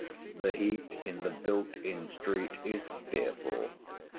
The heat in the built in street is fearful.